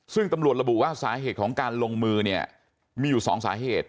ซึ่งตำรวจระบุว่าสาเหตุของการลงมือเนี่ยมีอยู่๒สาเหตุ